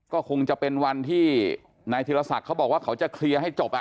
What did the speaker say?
ก็คงจะเป็นวันที่นายธิรศักดิ์เขาบอกว่าเขาจะเคลียร์ให้จบ